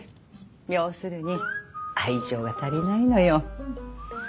要するに愛情が足りないのよ。